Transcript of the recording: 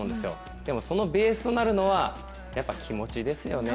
でもそのベースとなるのはやっぱ気持ちですよね。